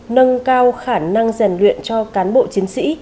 nâng cao khả năng rèn luyện cho cán bộ chiến sĩ